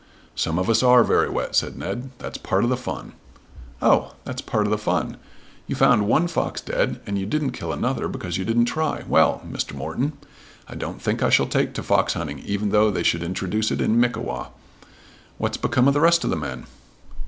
"Some of us are very wet," said Ned. "That's part of the fun." "Oh; that's part of the fun. You found one fox dead and you didn't kill another because you didn't try. Well; Mr. Morton, I don't think I shall take to fox hunting even though they should introduce it in Mickewa. What's become of the rest of the men?"